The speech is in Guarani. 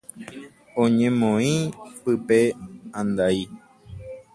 Oñemoĩ pype andai.